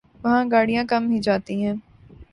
وہاں گاڑیاں کم ہی جاتی ہیں ۔